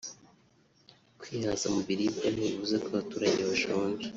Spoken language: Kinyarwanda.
Kwihaza mu biribwa ntibivuze ko abaturage bashonje